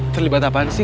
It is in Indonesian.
terlibat apaan sih